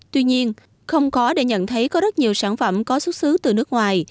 tuy nhiên không khó để nhận thấy có rất nhiều sản phẩm có xuất xứ từ nước ngoài